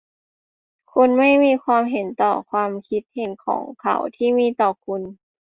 คุณไม่มีความเห็นต่อความคิดเห็นของเขาที่มีต่อคุณ